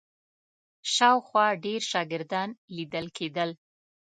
شاوخوا ډېر شاګردان لیدل کېدل.